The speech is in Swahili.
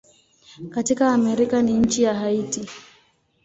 Katika Amerika ni nchi ya Haiti.